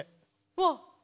わっ！